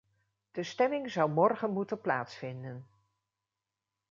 De stemming zou morgen moeten plaatsvinden.